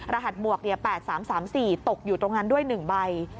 รหัสหมวก๘๓๓๔ตกอยู่ตรงนั้นด้วย๑ใบ